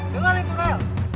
dengar nih tuan